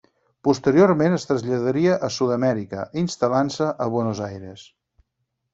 Posteriorment es traslladaria a Sud-amèrica, instal·lant-se a Buenos Aires.